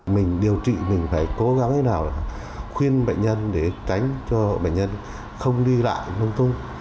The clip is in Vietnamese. mình điều trị mình phải cố gắng thế nào là khuyên bệnh nhân để tránh cho bệnh nhân không đi lại nông thôn